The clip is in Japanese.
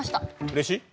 うれしい？